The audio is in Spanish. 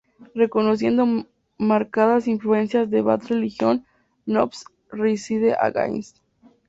Reconociendo marcadas influencias de Bad Religión, Nofx, Rise Against.